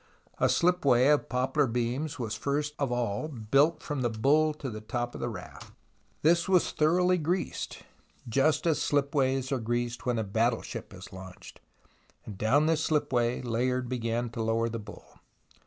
A slipway of poplar beams was first of all built from the bull to the top of the raft. This was thoroughly greased, just as the slipways are greased when a battleship is launched, and down this slipway Layard began to lower the bull.